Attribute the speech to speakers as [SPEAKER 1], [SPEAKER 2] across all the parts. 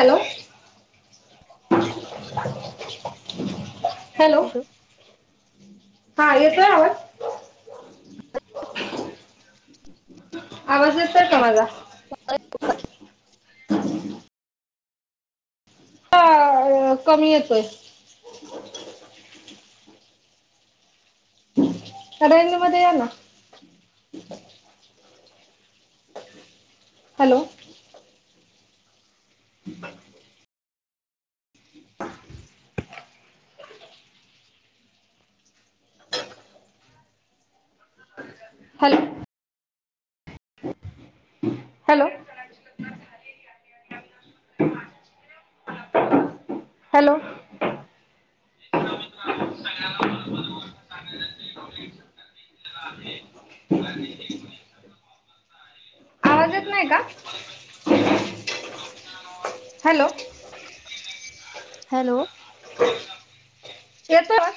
[SPEAKER 1] Hello! Hello! हां येतोय आवाज? आवाज येतोय का माझा?
[SPEAKER 2] [unintelligible]
[SPEAKER 1] अ कमी येतोय. हां रेंज मध्ये या ना. हॅलो! [inaudible] हॅलो! हॅलो! हॅलो! [inaudible] आवाज येत नाही का?
[SPEAKER 2] [inaudible]
[SPEAKER 1] हॅलो!
[SPEAKER 2] हॅलो!
[SPEAKER 1] [inaudible] येतोय आवाज?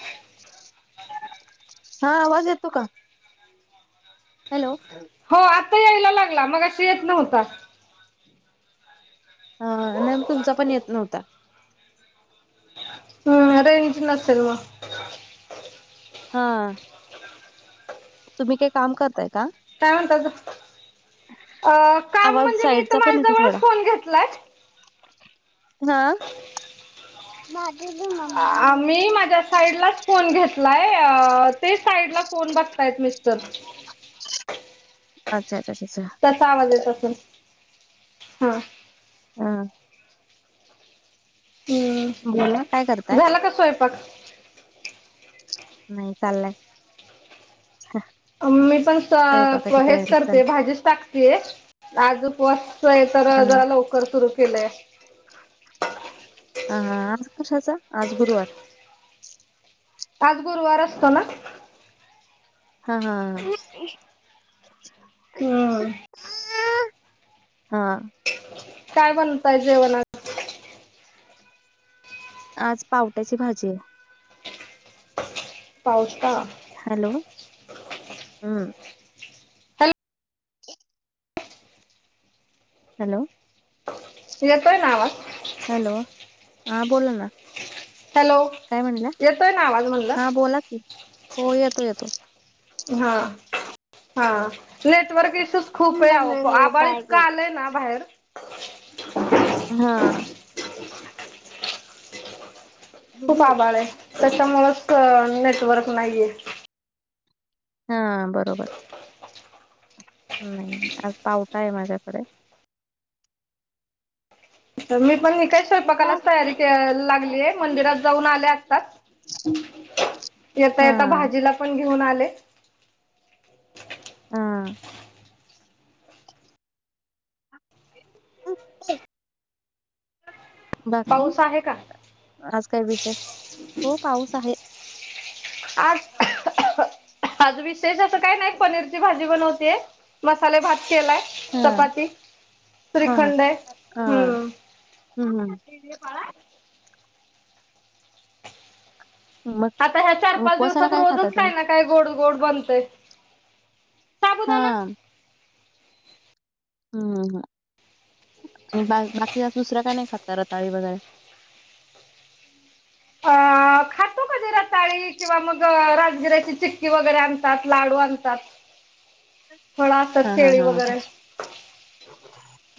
[SPEAKER 2] हां आवाज येतो का? हॅलो!
[SPEAKER 1] हो आत्ता यायला लागला, मघाशी येत नव्हता.
[SPEAKER 2] हां नाही मग तुमचा पण येत नव्हता.
[SPEAKER 1] हम्म. रेंज नसेल मग.
[SPEAKER 2] हां. तुम्ही काय काम करताय का?
[SPEAKER 1] काय म्हणतात, त अ काम
[SPEAKER 2] आवाज
[SPEAKER 1] म्हणजे मी इथं
[SPEAKER 2] साईडचा
[SPEAKER 1] माझ्या
[SPEAKER 2] पण येतो
[SPEAKER 1] जवळच फोन घेतलाय.
[SPEAKER 2] हां, माझं
[SPEAKER 1] आ मी माझ्या साईडलाच फोन घेतलाय अ ते साईडला फोन बघतायत मिस्टर.
[SPEAKER 2] अच्छ! अच्छा! अच्छा! अच्छा!
[SPEAKER 1] त्याचा आवाज येत असेल हां.
[SPEAKER 2] हां.
[SPEAKER 1] ते
[SPEAKER 2] बोला काय करताय
[SPEAKER 1] झाला का स्वयंपाक?
[SPEAKER 2] नाही, चाललाय!
[SPEAKER 1] मी
[SPEAKER 2] स्वयंपाकाची
[SPEAKER 1] पण हेच
[SPEAKER 2] तयारी
[SPEAKER 1] करते
[SPEAKER 2] चालय
[SPEAKER 1] भाजीच टाकतेय आज उपवास आहे तर जरा लवकर सुरू केलंय.
[SPEAKER 2] हां हां आज कशाचा? आज गुरुवार.
[SPEAKER 1] आज गुरुवार असतो ना.
[SPEAKER 2] हां हां हां.
[SPEAKER 1] हम्म.
[SPEAKER 2] हां.
[SPEAKER 1] काय बनवताय जेवण आज?
[SPEAKER 2] आज पावट्याची भाजी हाय.
[SPEAKER 1] पावटा?
[SPEAKER 2] हॅलो, हू.
[SPEAKER 1] हॅलो
[SPEAKER 2] क [inaudible] हॅलो.
[SPEAKER 1] येतोय ना आवाज?
[SPEAKER 2] हॅलो, हा बोला ना.
[SPEAKER 1] हॅलो
[SPEAKER 2] काय म्हणला?
[SPEAKER 1] येतोय ना आवाज म्हणलं?
[SPEAKER 2] हा बोला की, हो येतो येतो.
[SPEAKER 1] हा. हा. नेटवर्क इश्यूज खूप
[SPEAKER 2] मशरूम
[SPEAKER 1] आहे अहो,
[SPEAKER 2] बनाना
[SPEAKER 1] आभाळ इतक
[SPEAKER 2] पाहिजे.
[SPEAKER 1] आलंय ना बाहेर
[SPEAKER 2] हा.
[SPEAKER 1] खूप आभाळ हाय, त्याच्यामुळच नेटवर्क नाहीे येत.
[SPEAKER 2] हा बरोबर. नाही, आज पावटा आहे माझ्याकड.
[SPEAKER 1] तर मी पण हे काय स्वयंपाकालाच तयारी क लागलीये, मंदिरात जाऊन आले आताच. येता येता,
[SPEAKER 2] हा
[SPEAKER 1] भाजीला पण घेऊन आले.
[SPEAKER 2] हा [unintelligible] बाकी?
[SPEAKER 1] पाऊस आहे का
[SPEAKER 2] आज काय विशेष, हो पाऊस आहे.
[SPEAKER 1] आज आज विशेष असं काय नाही. पनीरची भाजी बनवतेय. मसाले भात केलाय
[SPEAKER 2] हा
[SPEAKER 1] चपाती, श्रीखंड हाय हम्म
[SPEAKER 2] हू हू. मग
[SPEAKER 1] आता ह्या चार पाच
[SPEAKER 2] उपवासाला
[SPEAKER 1] दिवसात,
[SPEAKER 2] काय खाताय
[SPEAKER 1] रोजच
[SPEAKER 2] तुम्ही?
[SPEAKER 1] काही ना काही गोड गोड बनतय. साबुदाणा
[SPEAKER 2] हा. हुं. हू आणि बाळ बाकीचा दुसरं काय नाही खातात रताळी वगेरे.
[SPEAKER 1] हा. खातो कधी रताळी किंवा मग राजगिऱ्याची चिक्की वगैरे आणतात, लाडू आणतात. फळ असतात
[SPEAKER 2] हा हा
[SPEAKER 1] केळी
[SPEAKER 2] हा
[SPEAKER 1] वगैरे.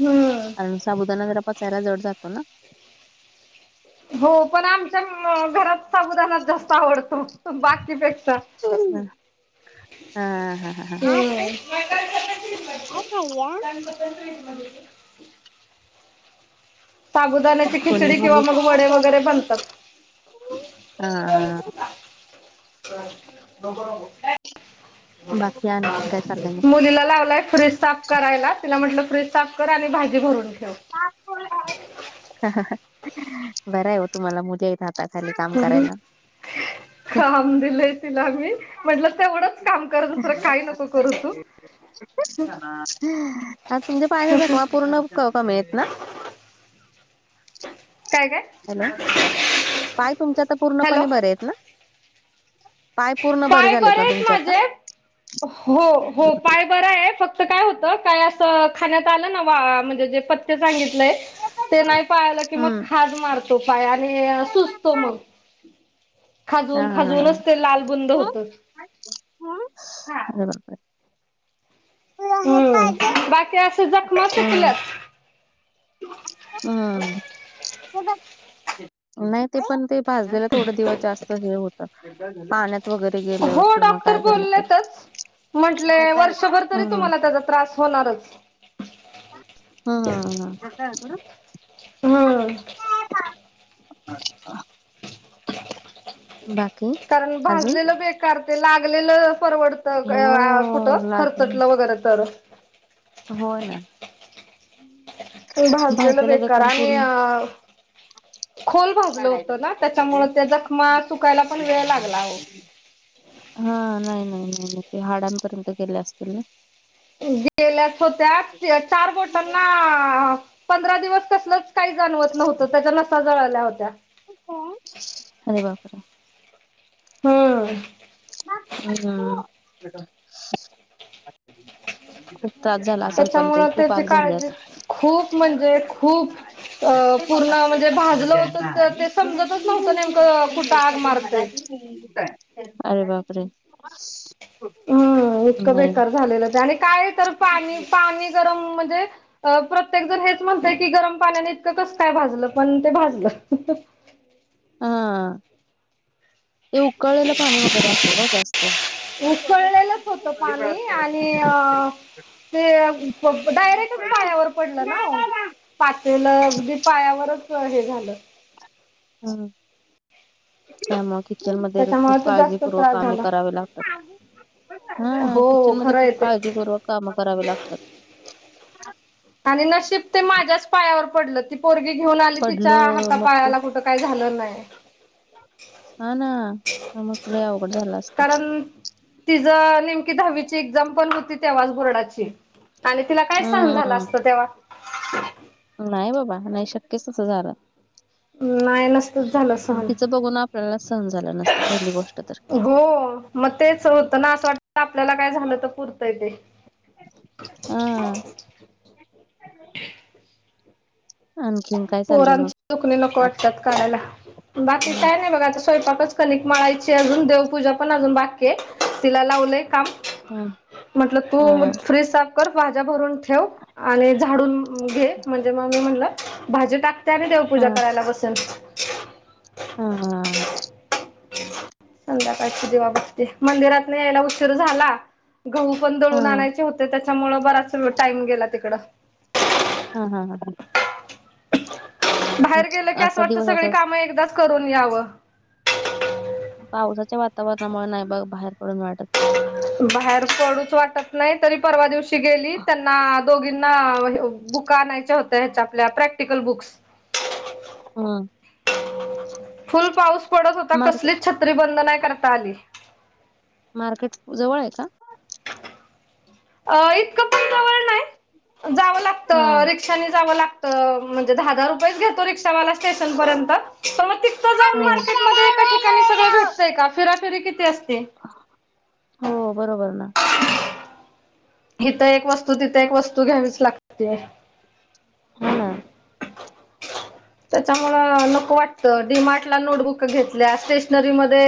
[SPEAKER 1] व्हय.
[SPEAKER 2] बुदाणा पचायला जरा जड जातो ना.
[SPEAKER 1] हो पण, आमच्या अ घरात साबुदानाच जास्त आवड तो, बाकीपेक्षा
[SPEAKER 2] हा हा हा हा
[SPEAKER 1] व्हय [unintelligible] [unintelligible] साबुदाण्याची
[SPEAKER 2] कोणी
[SPEAKER 1] खिचडी किंवा
[SPEAKER 2] खाली?
[SPEAKER 1] मग वडे वगैरे
[SPEAKER 2] हा
[SPEAKER 1] बनतात
[SPEAKER 2] हा.
[SPEAKER 1] मुलीला लावलाय फ्रिज साफ करायला तिला म्हटलं, फ्रीज साफ कर आणि भाजी भरून ठेव.
[SPEAKER 2] पाच पोरी हायीत, बरं आहे हो तुम्हाला मुली हायीता. हाता खाली काम करायला.
[SPEAKER 1] काम दिलय तिला मी म्हटलं, तेवढंच काम कर दुसर काही नको करू तू.
[SPEAKER 2] तुमच्या पायाच्या जखमा पूर्ण कमीयेत ना.
[SPEAKER 1] काय काय?
[SPEAKER 2] हॅलो, पाय तुमच्या आता
[SPEAKER 1] हॅलो
[SPEAKER 2] पूर्णपणे बरे आहेत ना. पाय पूर्ण
[SPEAKER 1] पाय
[SPEAKER 2] झालेत
[SPEAKER 1] बरे
[SPEAKER 2] ना
[SPEAKER 1] आहेत
[SPEAKER 2] तुमचे आता
[SPEAKER 1] माझे. हो हो, पाय बरा हाय फक्त तर काय होतं काय असं खाण्यात आलं ना वा म्हणजे जे पत्ते सांगितलंय ते नाही पाळलं की मग
[SPEAKER 2] हम्म
[SPEAKER 1] खाज मारतो पाय आणि सुजतो मग.
[SPEAKER 2] हा हा
[SPEAKER 1] खाजून-खाजूनच
[SPEAKER 2] हा
[SPEAKER 1] ते लाल बुंद होतं.
[SPEAKER 2] [unintelligible] अरे बापरे!
[SPEAKER 1] हम्म
[SPEAKER 2] [unintelligible]
[SPEAKER 1] बाकी असे जखमा
[SPEAKER 2] हा.
[SPEAKER 1] सुटल्यात
[SPEAKER 2] हा नाही ते पण ते पाजलेला थोडं दिवस जास्त हे होतं पाण्यात वगैरे गेलं
[SPEAKER 1] हो
[SPEAKER 2] किंवा
[SPEAKER 1] डॉक्टर
[SPEAKER 2] काय झालं तर
[SPEAKER 1] बोलेतच म्हटले
[SPEAKER 2] हम्म
[SPEAKER 1] वर्षभर तरी तुम्हाला त्याचा त्रास होणारच.
[SPEAKER 2] हां हां हां.
[SPEAKER 1] हां.
[SPEAKER 2] बा
[SPEAKER 1] कारण भाजलेलं बेकार ते लागलेलं परवडतं क
[SPEAKER 2] हो
[SPEAKER 1] अ आ कुठं
[SPEAKER 2] लागून
[SPEAKER 1] खर्चटलं वगैरे तर.
[SPEAKER 2] हो ना.
[SPEAKER 1] भाजलेलं
[SPEAKER 2] भाजलेला
[SPEAKER 1] बेकार
[SPEAKER 2] जखम
[SPEAKER 1] आणि
[SPEAKER 2] पूर्ण
[SPEAKER 1] अ खोल भाजलं
[SPEAKER 2] काढायला
[SPEAKER 1] होतं ना
[SPEAKER 2] तिथे
[SPEAKER 1] त्याच्यामुळे जखमा सुुकायला पण वेळ लागला हो.
[SPEAKER 2] हा नाही नाही नाही म्हणून ते हाडांपर्यंत केल्या असतील ना.
[SPEAKER 1] गेल्याच होत्या तिला चार बोटांना पंधरा दिवस कसलच काही जाणवत नव्हतं त्याच्याना सजावल्या होत्या.
[SPEAKER 2] अरे बापरे!
[SPEAKER 1] मग
[SPEAKER 2] हम्म. खूप त्रास झाला असल पण ते
[SPEAKER 1] त्याच्यामुळं
[SPEAKER 2] खूप
[SPEAKER 1] त्याची
[SPEAKER 2] आग झाली
[SPEAKER 1] काळजी
[SPEAKER 2] असलं.
[SPEAKER 1] खूप म्हणजे खूप अ पूर्ण म्हणजे भाजलं होतं तर ते समजतच नव्हतं नेमकं कुठं आग मारतय.
[SPEAKER 2] [unintelligible] अरे बापरे!
[SPEAKER 1] हो इतकं
[SPEAKER 2] नाही
[SPEAKER 1] बेकार झालेलं ते आणि कायतर पाणी पाणी तरम म्हणजे अ प्रत्येक जण हेच म्हणतंय की गरम पाण्याने ते कसं काय भाजलं पण ते भाजलं.
[SPEAKER 2] आं ए उकळलेलं पाणी वगैरे असेल हो जास्त.
[SPEAKER 1] उकळलेलंच होतं पाणी आणि अ ते अ पब डायरेक्टच पायावर पडला ना ओ. पातेलं अगदी पायावरच हे झालं.
[SPEAKER 2] हं त्यामुळे किचन मध्ये खूप
[SPEAKER 1] त्याच्यामुळे ते जास्त
[SPEAKER 2] काळजीपूर्वक
[SPEAKER 1] त्रास
[SPEAKER 2] कामे
[SPEAKER 1] झाला.
[SPEAKER 2] करावे लाग हां
[SPEAKER 1] हो
[SPEAKER 2] किचन मध्ये
[SPEAKER 1] खरं
[SPEAKER 2] खूप
[SPEAKER 1] आहे ते
[SPEAKER 2] काळजीपूर्वक कामं करावे लागतात.
[SPEAKER 1] आणि नशीब ते माझ्याच पायावर पडलं ती पोरगी घेऊन आली तिच्या
[SPEAKER 2] पडलं
[SPEAKER 1] हातापायाला कुठं काय झालं नाय.
[SPEAKER 2] हां ना हा मग लय अवघड झालं असतं.
[SPEAKER 1] तिजं नेमकी दहावीची एक्झाम पण होती तेव्हाच बोर्डाची. आणि तिला काय सहन झालं
[SPEAKER 2] हम्म
[SPEAKER 1] असतं तेव्हा.
[SPEAKER 2] नाही बाबा नाही शक्यच असं झालं.
[SPEAKER 1] नाय नसतच झालं सहन
[SPEAKER 2] तिचं बघून आपल्याला सहन झालं नसतं पहिली गोष्ट तर
[SPEAKER 1] हो. म तेच होतं ना असं वाटतं आपल्याला काय झालं तर पुरतय ते.
[SPEAKER 2] हां.
[SPEAKER 1] पोरांची दुखणी नको
[SPEAKER 2] आज
[SPEAKER 1] वाटतात काढायला, बाकी
[SPEAKER 2] हा
[SPEAKER 1] काय नाही बघा तस. चपातीच कणिक मळायचीय अजून, देवपूजा पण अजून बाकी आहे. तिला लावलंय काम
[SPEAKER 2] हा
[SPEAKER 1] म्हटल तू
[SPEAKER 2] हा
[SPEAKER 1] फ्रीज साफ कर, भाज्या भरून ठेव आणि झाडून घे, म्हणजे मग मी म्हणलं भाजी टाकते आणि
[SPEAKER 2] हा
[SPEAKER 1] देवपूजा करायला बसेल.
[SPEAKER 2] हां हां.
[SPEAKER 1] संध्याकाळची दिवा-बत्ती मंदिरातन यायला उशीर झाला. गहू पण
[SPEAKER 2] हा
[SPEAKER 1] दळून
[SPEAKER 2] हा
[SPEAKER 1] आणायचे होते. त्याच्यामुळे बराच टाईम गेला तिकडं.
[SPEAKER 2] हा हा हां.
[SPEAKER 1] बाहेर
[SPEAKER 2] आज-
[SPEAKER 1] गेलं की अस
[SPEAKER 2] आजचा
[SPEAKER 1] वाटतं,
[SPEAKER 2] दिवस
[SPEAKER 1] सगळी
[SPEAKER 2] असाच
[SPEAKER 1] कामं एकदाच करून यावं.
[SPEAKER 2] पावसाच्या वातावरणामुळे नाही बघ बाहेर पडू वाटतं.
[SPEAKER 1] बाहेर पडूच वाटत नाही. तरी परवा दिवशी गेली त्यांना दोघींना वह्या बुका आणायच्या होत्या, ह्याच्या आपल्या प्रॅक्टिकल बुक्स.
[SPEAKER 2] हां.
[SPEAKER 1] फुल पाऊस पडत होता,
[SPEAKER 2] मार्केट
[SPEAKER 1] कसलीच छत्री बंद नाही करता आली.
[SPEAKER 2] मार्केट जवळ आहे का.
[SPEAKER 1] अं इतकं पण जवळ नाही, जावं लागत
[SPEAKER 2] हा.
[SPEAKER 1] रिक्षा रिक्षान जावं लागतं, म्हणजे दहा दहा रुपयेच घेतो रिक्षावाला स्टेशन पर्यंत. तर मग तिथं जाऊन मार्केटमध्ये एका ठिकाणी सगळं भेटतंय का फिराफिरी किती असते.
[SPEAKER 2] हो बरोबर ना.
[SPEAKER 1] इथं एक वस्तू तिथ एक वस्तू घ्यावीच लागतेय.
[SPEAKER 2] हा ना.
[SPEAKER 1] त्याच्यामुळे नको वाटतं, डीमार्ट ला नोटबुक घेतल्या. स्टेश स्टेशनरी मध्ये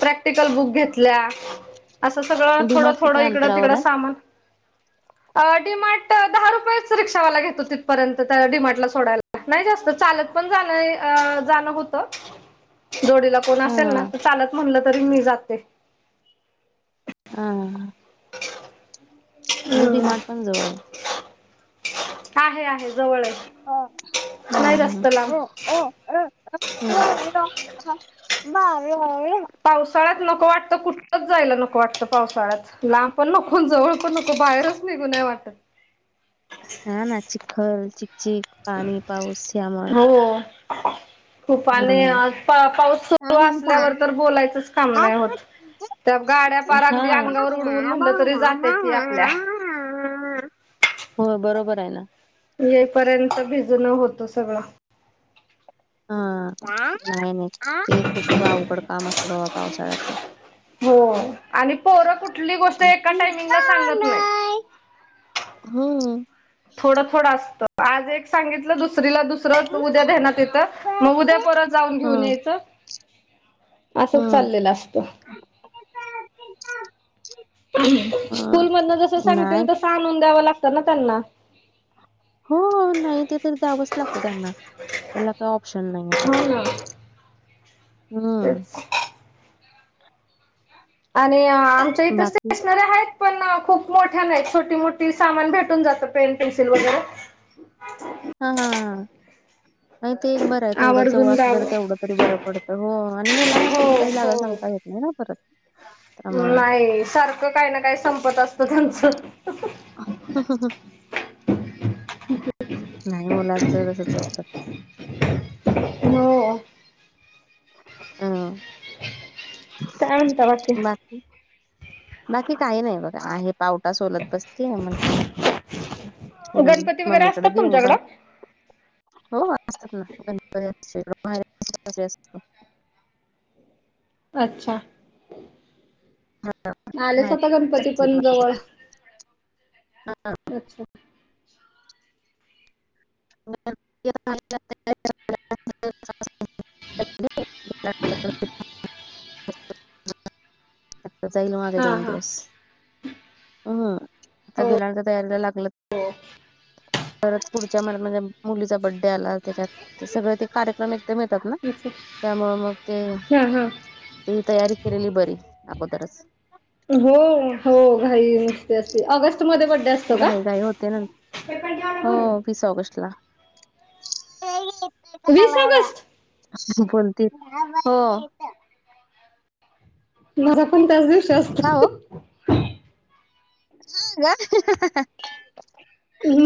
[SPEAKER 1] प्रॅक्टिकल बुक घेतल्या. असं सगळं थोडं
[SPEAKER 2] डीमार्ट किती
[SPEAKER 1] थोडं इकडं
[SPEAKER 2] अंतरावर
[SPEAKER 1] तिकडं
[SPEAKER 2] आहे?
[SPEAKER 1] सामान अं डीमार्ट दहा रुपयेच रिक्षावाला घेतो, तिथपर्यंत त्या डीमार्टला सोडायला. नाही जास्त चालत पण जाण जाणं होत. जोडीला कोण असेल
[SPEAKER 2] हा
[SPEAKER 1] ना, तर चालत म्हणलं तरी मी जाते.
[SPEAKER 2] हां, हां, हां. म्हणजे
[SPEAKER 1] हम्म
[SPEAKER 2] डिमार्ट पण जवळ आहे.
[SPEAKER 1] आहे आहे जवळ आहे. नाही जास्त लांब
[SPEAKER 2] [unintelligible] [unintelligible]
[SPEAKER 1] पावसाळ्यात नको वाटतं, कुठंच जायला नको वाटतं पावसाळ्यात. लांब पण नको जवळ पण नको. बाहेरच निगु नाही वाटत.
[SPEAKER 2] हा ना चिखल, चिक चिक, पाणी, पाऊस यामुळं
[SPEAKER 1] हो खूप पानी असता पाऊस सुरू
[SPEAKER 2] हा.
[SPEAKER 1] असल्यावर, तर बोलायचंच काम
[SPEAKER 2] हा.
[SPEAKER 1] नाही होत. त्या गाड्या पार अगदी अंगावर उडवून म्हणलं तरी जात्याती आपल्या.
[SPEAKER 2] हो बरोबर आहे.
[SPEAKER 1] येईपर्यंत भिजणं होत सगळं.
[SPEAKER 2] हा नाही नाही, ते खूप अवघड काम असतं बाबा पावसाळ्याच.
[SPEAKER 1] हो आणि पोरं कुठली गोष्ट एका
[SPEAKER 2] हम्म
[SPEAKER 1] टायमिंगला सांगत नाही.
[SPEAKER 2] हं.
[SPEAKER 1] थोडं थोडं असतं, आज एक सांगितलं दुसरीला दुसऱ्या उद्या द्यान्यात येत,
[SPEAKER 2] हा
[SPEAKER 1] मग उद्या परत जाऊन घेऊन यायचं. असंच
[SPEAKER 2] हा.
[SPEAKER 1] चाललेलं असतं.
[SPEAKER 2] अ
[SPEAKER 1] स्कूल मधन जस सांगतील
[SPEAKER 2] नाही
[SPEAKER 1] तस आणून द्यावं लागतं ना त्यांना
[SPEAKER 2] हो नाय ते तरी दयावंच लागतो त्यांना त्याला काय ऑप्शन नाही आता.
[SPEAKER 1] हो ना
[SPEAKER 2] हम्म.
[SPEAKER 1] तेच आणि आमच्या इथं
[SPEAKER 2] बाकी
[SPEAKER 1] स्टेशनरी हायत. पण खूप मोठ्या नाय छोटी मोठी सामान भेटून जातं पेन पेन्सिल वगैरे.
[SPEAKER 2] हा हा हा. नाय ते एक बरं ये तेवढं जवळ
[SPEAKER 1] आवर्जून
[SPEAKER 2] असं
[SPEAKER 1] गावं
[SPEAKER 2] तेवढं तरी बरं पडतं हो आणि मुलांना
[SPEAKER 1] हो
[SPEAKER 2] कधी काही जागा सांगता येत मी ना परत त्यामुळं
[SPEAKER 1] नाय सारखं कायना काय संपत असतं त्यांच.
[SPEAKER 2] नाय मुलांच तसच असत.
[SPEAKER 1] हो.
[SPEAKER 2] अ
[SPEAKER 1] काय म्हणता
[SPEAKER 2] बाकी. बाकी काही नाही बघ आहे पावटा सोलत बसलीये म्हण न करून
[SPEAKER 1] गणपती वगैरे
[SPEAKER 2] मम्मीकडे
[SPEAKER 1] असतात
[SPEAKER 2] देऊ मोबाईल
[SPEAKER 1] तुमच्याकडं?
[SPEAKER 2] हो असतात ना गणपती असतात [unintelligible]
[SPEAKER 1] अच्छा. आलेच
[SPEAKER 2] माहेरी
[SPEAKER 1] आता गणपती पण जवळ अच्छा.
[SPEAKER 2] [unintelligible] [inaudible]
[SPEAKER 1] [inaudible]
[SPEAKER 2] त्याचा येईल माझा
[SPEAKER 1] हा
[SPEAKER 2] दोन
[SPEAKER 1] हा.
[SPEAKER 2] दिवस हम्म आता
[SPEAKER 1] हो
[SPEAKER 2] गेल्या आठवड्यात तयारीला लागलं. परत पुढच्या महिन्यात माझ्या मुलीचा बड्डे आला त्याच्यात ते सगळं ते कार्यक्रम ते मिळतात ना
[SPEAKER 1] अच्छा
[SPEAKER 2] त्यामुळे मग ते
[SPEAKER 1] हा हा.
[SPEAKER 2] ती तयारी केलेली बरी अगोदरच.
[SPEAKER 1] हो हो घाई नुसती असते ऑगस्ट मध्ये बड्डे अस
[SPEAKER 2] घाई घाई होते ना हो वीस ऑगस्टला.
[SPEAKER 1] वीस ऑगस्ट
[SPEAKER 2] बोलते हो.
[SPEAKER 1] माझा पण त्याच दिवशी
[SPEAKER 2] का हो
[SPEAKER 1] असतो.
[SPEAKER 2] का.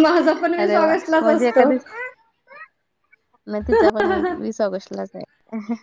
[SPEAKER 1] माझा पण वीस ऑगस्टलाच असतो.
[SPEAKER 2] नाय तिचा पण एक वीस ऑगस्टलाच हाय.